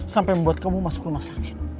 sampai membuat kamu masuk rumah sakit